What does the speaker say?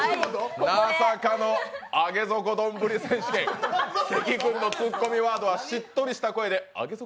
まさかの上げ底どんぶり選手権関君のツッコミワードはしっとりした声で「上げ底？」